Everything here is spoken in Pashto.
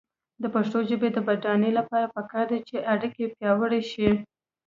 د پښتو ژبې د بډاینې لپاره پکار ده چې اړیکې پیاوړې شي.